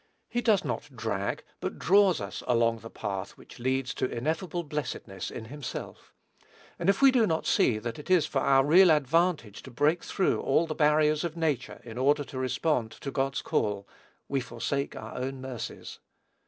He does not drag but draw us along the path which leads to ineffable blessedness in himself; and if we do not see that it is for our real advantage to break through all the barriers of nature, in order to respond to God's call, we forsake our own mercies.